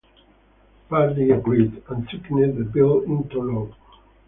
Pardee agreed, and signed the bill into law.